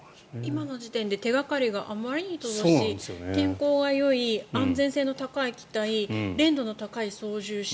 今の時点で手掛かりがあまりに乏しい天候はよい、安全性の高い機体練度の高い操縦士